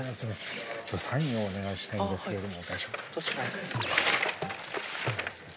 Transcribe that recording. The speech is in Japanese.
ちょっとサインをお願いしたいんですけれども。